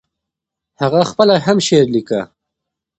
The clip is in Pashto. هغه خپله هم شعر ليکه.